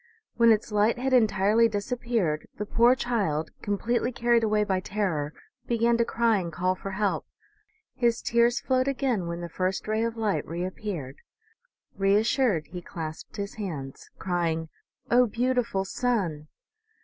When its light had entirely disappeared the poor child, completely carried away by terror, began to cry and call for help. His tears flowed again when the first ray of light reappeared. Reassured, he clasped his hands, crying, " O, beautiful sun